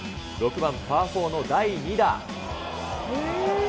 ６番パー４の第２打。